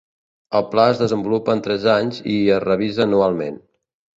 El Pla es desenvolupa en tres anys i es revisa anualment.